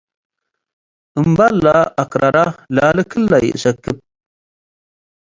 እምበ’ለ አክራረ ላሊ ክለ ይእሰክብ